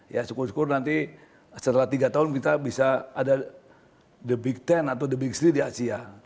ya syukur syukur nanti setelah tiga tahun kita bisa ada the big ten atau the big stay di asia